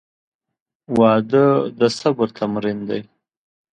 • واده د صبر تمرین دی.